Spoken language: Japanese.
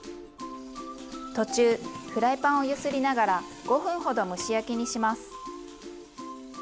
途中フライパンを揺すりながら５分ほど蒸し焼きにします。